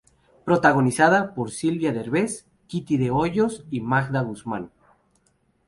Protagonizada por Silvia Derbez, Kitty de Hoyos y Magda Guzmán.